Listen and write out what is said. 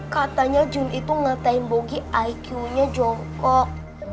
katanya jun itu nge tag bogi iq nya jokok